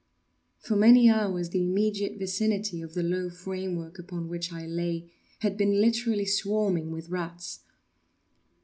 For many hours the immediate vicinity of the low framework upon which I lay had been literally swarming with rats.